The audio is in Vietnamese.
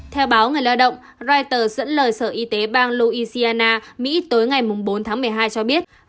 theo báo người lao động reuters dẫn lời sở y tế bang louisiana mỹ tối ngày bốn tháng một mươi hai cho biết